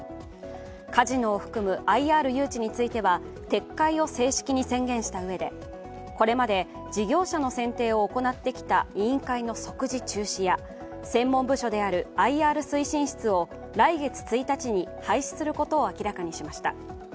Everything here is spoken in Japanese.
カジノを含むＩＲ誘致については撤回を正式に宣言したうえでこれまで事業者の選定を行ってきた委員会の即時中止や専門部署であるＩＲ推進室を来月１日に廃止することを明らかにしました。